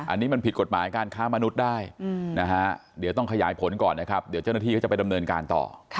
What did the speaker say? อันนี้มันผิดกฎหมายการค้ามนุษย์ได้นะฮะเดี๋ยวต้องขยายผลก่อนนะครับเดี๋ยวเจ้าหน้าที่เขาจะไปดำเนินการต่อ